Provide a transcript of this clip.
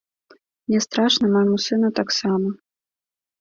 Мне страшна, майму сыну таксама.